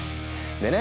でね